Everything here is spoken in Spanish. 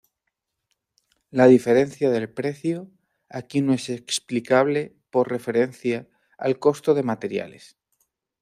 La diferencia del precio aquí no es explicable por referencia al costo de materiales.